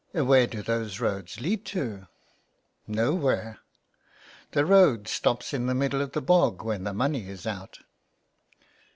" Where do those roads lead to '^''" Nowhere. The road stops in the middle of the bog when the money is out.''